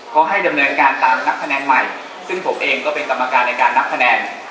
เขาให้ดำเนินการตามนับคะแนนใหม่ซึ่งผมเองก็เป็นกรรมการในการนับคะแนน